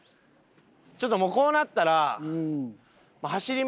ちょっとこうなったら。